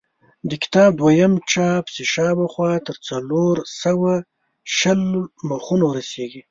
د کتاب دویم چاپ چې شاوخوا تر څلور سوه شل مخونو رسېږي.